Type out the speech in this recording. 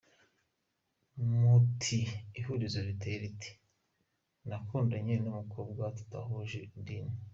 Muti ihurizo riteye rite? Nakundanye n’ umukobwa tudahuje idini.